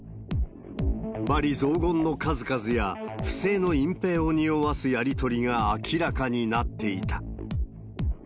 罵詈雑言の数々や、不正の隠蔽をにおわすやり取りが明らかになっていた。